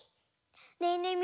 ねえねえ